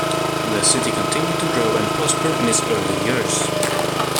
The city continued to grow and prosper in its early years.